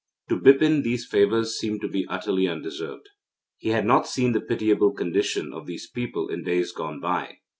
To Bipin these favours seemed to be utterly undeserved. He had not seen the pitiable condition of these people in days gone by.